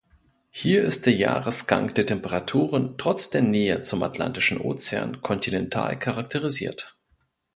Hier ist der Jahresgang der Temperaturen trotz der Nähe zum Atlantischen Ozean kontinental charakterisiert.